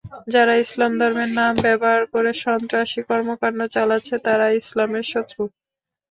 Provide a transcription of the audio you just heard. যারা ইসলাম ধর্মের নাম ব্যবহার করে সন্ত্রাসী কর্মকাণ্ড চালাচ্ছে, তারা ইসলামের শত্রু।